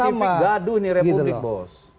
kalau men spesifik gaduh nih republik bos